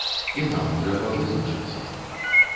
І нам трэба вызначыцца.